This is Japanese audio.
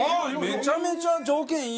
めちゃめちゃ条件いい！